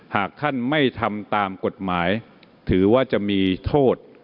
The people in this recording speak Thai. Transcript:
หากท่านไม่ทำตามกฎหมายถือว่าจะมีโทษ